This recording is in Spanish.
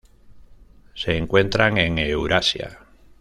Se encuentran en Eurasia.